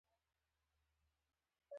باختر همداراز د طالب چارواکو په حواله لیکلي